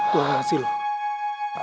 tuhan kasih tuhan